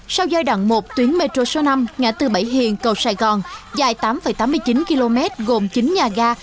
sau giai đoạn một tuyến metro số năm ngã tư bảy hiền cầu sài gòn dài tám tám mươi chín km gồm chín nhà ga